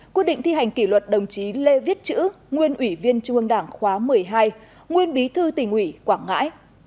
hai quy định thi hành kỷ luật đồng chí lê viết chữ nguyên ủy viên trung mương đảng khóa một mươi hai nguyên bí thư tỉnh ủy quảng ngãi